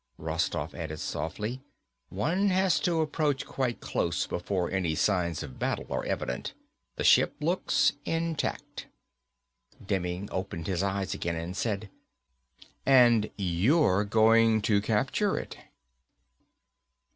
Rostoff added softly, "One has to approach quite close before any signs of battle are evident. The ship looks intact." Demming opened his eyes again and said, "And you're going to capture it."